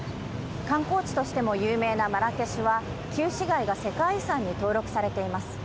観光地としても有名なマラケシュは、旧市街が世界遺産に登録されています。